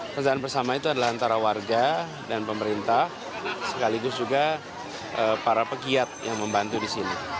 kerjaan bersama itu adalah antara warga dan pemerintah sekaligus juga para pegiat yang membantu di sini